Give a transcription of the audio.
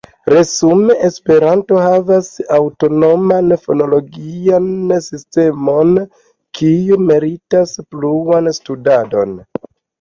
Resume, Esperanto havas aŭtonoman fonologian sistemon, kiu meritas pluan studadon.